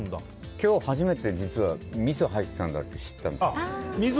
今日初めて実は、みそが入ってたと知ったんです。